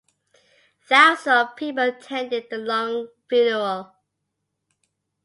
Thousands of people attended the long funeral.